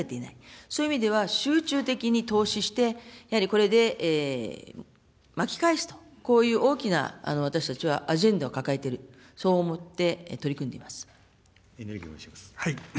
そういう意味では、集中的に投資して、やはりこれで巻き返すと、こういう大きな私たちはアジェンダを抱えている、そう思って取りエネルギー、お願いします。